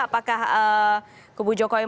apakah kubu jokowi